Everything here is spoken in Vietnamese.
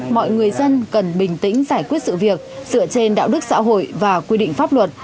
mọi người dân cần bình tĩnh giải quyết sự việc dựa trên đạo đức xã hội và quy định pháp luật